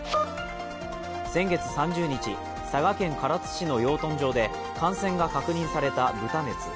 先月３０日、佐賀県唐津市の養豚場で感染が確認された豚熱。